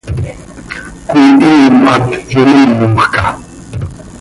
Cöihiim hac yomímojca.